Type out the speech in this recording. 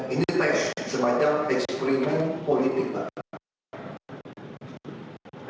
ini semacam eksperimen politik banget